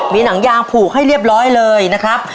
มีหนังยางผูกให้เรียบร้อยเลยนะครับ